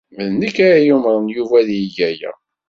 D nekk ay yumṛen Yuba ad yeg aya.